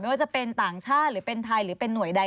ว่าจะเป็นต่างชาติหรือเป็นไทยหรือเป็นหน่วยใด